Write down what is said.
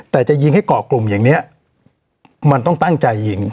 แต่จะยิงให้ก่อกลุ่มอย่างนี้มันต้องตั้งใจยิง